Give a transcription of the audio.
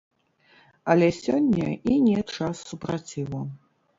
Але сёння і не час супраціву.